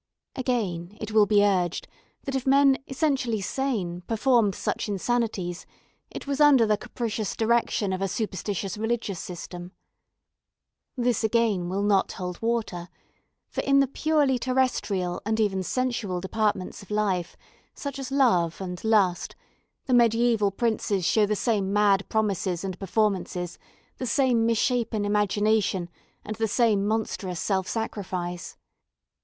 Again, it will be urged that if men essentially sane performed such insanities, it was under the capricious direction of a superstitious religious system. This, again, will not hold water; for in the purely terrestrial and even sensual departments of life, such as love and lust, the medieval princes show the same mad promises and performances, the same misshapen imagination and the same monstrous self sacrifice.